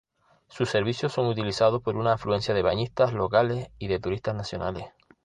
Sus servicios son utilizados por una afluencia de bañistas locales y de turistas nacionales.